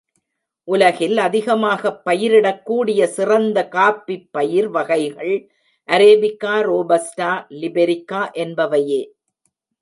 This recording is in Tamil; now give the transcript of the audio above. உலகில் அதிகமாகப் பயிரிடக் கூடிய சிறந்த காஃபிப்பயிர் வகைகள் அரேபிகா ரோபஸ்டா, லிபெரிகா என்பவையே.